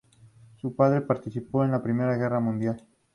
Su padre participó en la Primera Guerra Mundial.